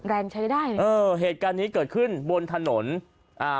ใช้ได้เลยเออเหตุการณ์นี้เกิดขึ้นบนถนนอ่า